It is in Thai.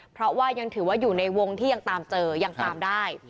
เพราะว่ายังถือว่าอยู่ในวงที่ยังตามเจอยังตามได้